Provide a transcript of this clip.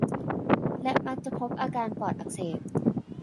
และมักจะพบอาการปอดอักเสบ